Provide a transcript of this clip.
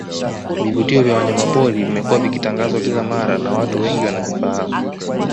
Vivutio vya wanyamapori vimekuwa vikitangazwa kila mara na watu wengi wanavifahamu